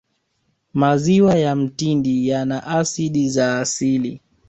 maziwa ya mtindi yana asidi za asili